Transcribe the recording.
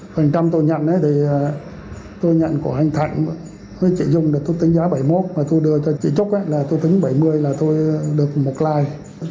phần trăm tôi nhận thì tôi nhận của anh thạnh với chị dung để tôi tính giá bảy mươi một và tôi đưa cho chị trúc là tôi tính bảy mươi là tôi được một like